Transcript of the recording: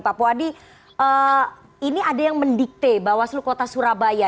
pak puadi ini ada yang mendikte bawaslu kota surabaya